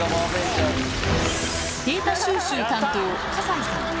データ収集担当、葛西さん。